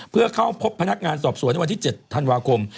เพื่อเข้าพบพนักงานสอบสวนในวันที่๗ธันวาคม